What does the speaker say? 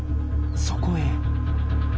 そこへ。